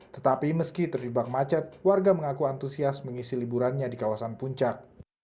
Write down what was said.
tetapi meski terjebak macet warga mengaku antusias mengisi liburannya di kawasan puncak